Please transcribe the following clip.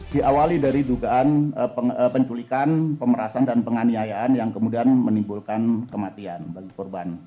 diawali dari dugaan penculikan pemerasan dan penganiayaan yang kemudian menimbulkan kematian bagi korban